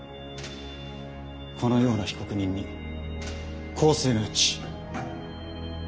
このような被告人に更生の余地。